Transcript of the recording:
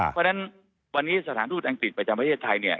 เพราะฉะนั้นวันนี้สถานทูตอังกฤษประจำประเทศไทยเนี่ย